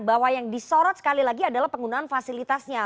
bahwa yang disorot sekali lagi adalah penggunaan fasilitasnya